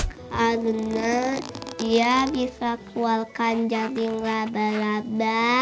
karena dia bisa keluarkan jaring raba raba